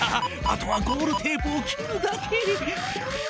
あとはゴールテープを切るだけ。